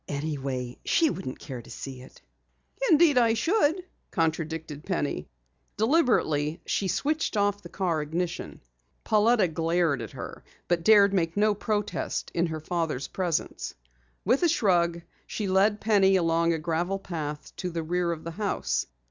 "Anyway, she wouldn't care to see it." "Indeed, I should," contradicted Penny. Deliberately she switched off the car ignition. Pauletta glared at her, but dared make no protest in her father's presence. With a shrug she led Penny along a gravel path to the rear of the house.